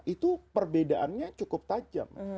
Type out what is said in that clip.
itu perbedaannya cukup tajam